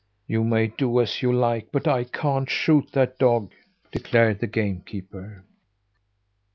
"You may do as you like, but I can't shoot that dog!" declared the game keeper.